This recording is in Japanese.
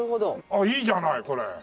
あっいいじゃないこれ。